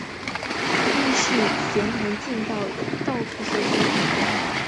亦是咸镜南道的道府所在地。